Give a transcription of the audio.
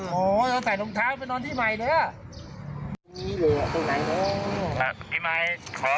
โหน้องท้าไปนอนที่ใหม่เลยนะ